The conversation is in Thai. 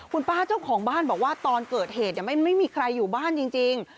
คุณป้าเจ้าของบ้านบอกว่าตอนเกิดเหตุไม่มีใครอยู่บ้านจริง